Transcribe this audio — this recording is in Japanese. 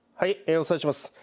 お伝えします。